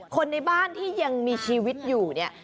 คนในบ้านที่ยังมีชีวิตอยู่เนี่ย